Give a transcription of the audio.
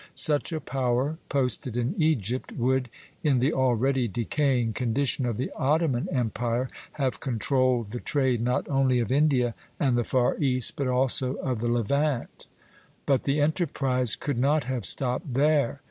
Such a power posted in Egypt would, in the already decaying condition of the Ottoman Empire, have controlled the trade not only of India and the far East, but also of the Levant; but the enterprise could not have stopped there.